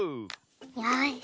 よし。